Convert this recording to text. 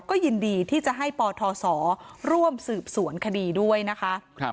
ก็ยินดีที่จะให้ปทศร่วมสืบสวนคดีด้วยนะคะ